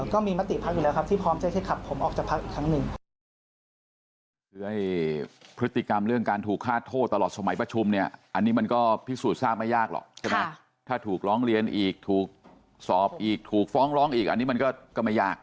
ก็มีมติพักอยู่แล้วครับที่พร้อมจะให้ขับผมออกจากพักอีกครั้งหนึ่ง